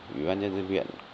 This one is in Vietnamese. ủy ban nhân dân huyện